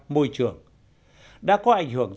môi trường đã có ảnh hưởng